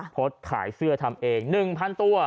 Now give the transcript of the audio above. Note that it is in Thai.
โพสต์ขายเสื้อทำเอง๑๐๐ตัว